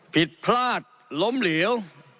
ผิดพลาดล้มเหลว